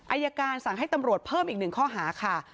อายการสั่งให้ตำรวจเพิ่มอีกหนึ่งข้อหาค่ะ